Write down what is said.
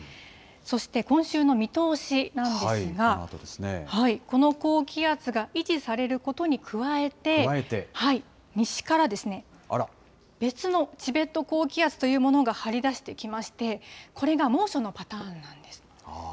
そして今週の見通しなんですが、この高気圧が維持されることに加えて、西から別のチベット高気圧というものが張り出してきまして、これが猛暑のパターンなんです。